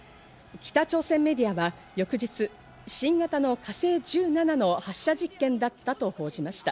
北朝鮮メディアは翌日、新型の「火星１７」の発射実験だったと報じました。